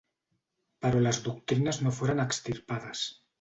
Però les doctrines no foren extirpades.